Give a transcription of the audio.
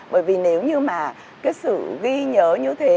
bởi vì nếu như mà cái sự ghi nhớ như thế